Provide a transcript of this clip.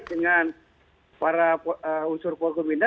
dengan para usur porkom pimda